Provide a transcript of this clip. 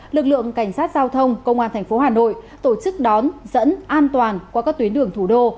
lực lượng cảnh sát giao thông công an tp hà nội tổ chức đón dẫn an toàn qua các tuyến đường thủ đô